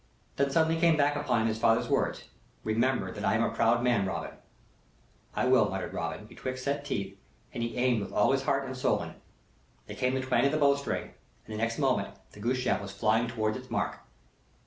Then suddenly came back upon him his father's words: "Remember that I am a proud man, Robin." "I will," muttered Robin, betwixt set teeth, and he aimed with all his heart and soul in it. There came the twang of the bowstring, and the next moment the gooseshaft was flying towards its mark.